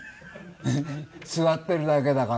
座ってるだけだから。